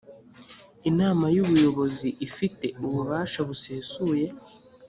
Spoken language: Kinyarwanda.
inama y ubuyobozi ifite ububasha busesuye